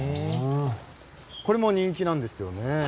これも人気なんですよね。